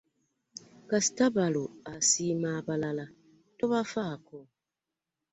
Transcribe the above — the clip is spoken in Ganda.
Kasita balo asiima abalala tobafaako.